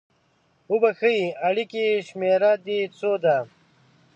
اوبښئ! اړیکې شمیره د څو ده؟